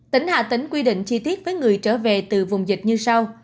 tỉnh hà tĩnh quy định chi tiết với người trở về từ vùng dịch như sau